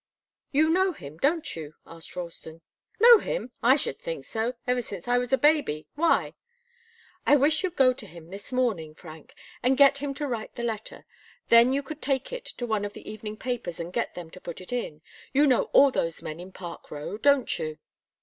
"You know him, don't you?" asked Ralston. "Know him? I should think so. Ever since I was a baby. Why?" "I wish you'd go to him this morning, Frank, and get him to write the letter. Then you could take it to one of the evening papers and get them to put it in. You know all those men in Park Row, don't you?"